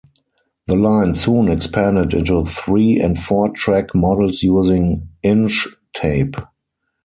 The line soon expanded into three- and four-track models using -inch tape.